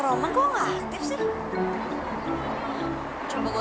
roman kemana sih pake aktif segala nomornya